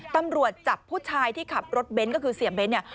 ตำรวจจับผู้ชายที่ขับรถเบนท์ก็คือเสียเบ้นเนี่ย